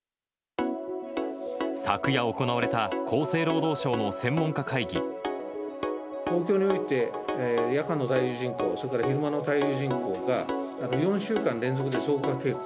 昨夜、行われた厚生労働省の東京において、夜間の滞留人口、それから昼間の滞留人口が、４週間連続で増加傾向。